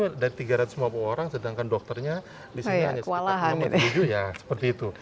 kalau nggak gitu dari tiga ratus lima puluh orang sedangkan dokternya di sini hanya setengah puluh empat tujuh ya seperti itu